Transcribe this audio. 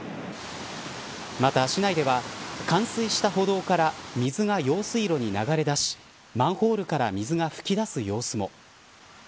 また市内では冠水した歩道から水が用水路に流れ出しマンホールから水が噴き出す様子も。